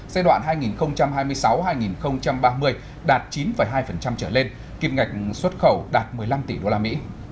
giai đoạn hai nghìn hai mươi sáu hai nghìn ba mươi đạt chín hai trở lên kịp ngạch xuất khẩu đạt một mươi năm tỷ usd